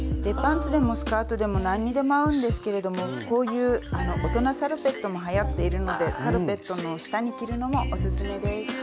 パンツでもスカートでも何にでも合うんですけれどもこういう大人サロペットもはやっているのでサロペットの下に着るのもオススメです。